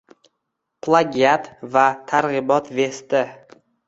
Plagiat va targ'ibot Vesti